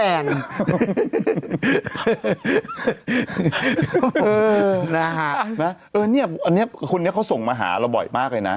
อันนี้คนนี้เขาส่งมาหาเราบ่อยมากเลยนะ